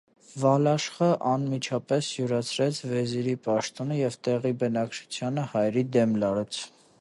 Վալաշխը անմիջապես յուրացրեց վեզիրի պաշտոնը և տեղի բնակչությանը հայերի դեմ լարեց։